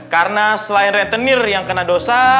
karena selain rentenir yang kena dosa